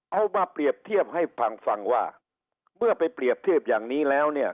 เอามาเปรียบเทียบให้ฟังฟังว่าเมื่อไปเปรียบเทียบอย่างนี้แล้วเนี่ย